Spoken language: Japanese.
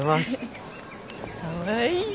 かわいい。